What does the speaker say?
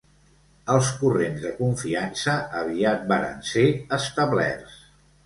Els corrents de confiança aviat varen ser establerts.